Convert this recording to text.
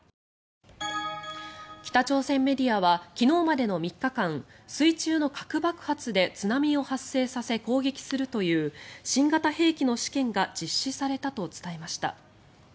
北朝鮮メディアは昨日までの３日間水中の核爆発で津波を発生させ攻撃するという新型兵器の試験が実施されたと伝えました。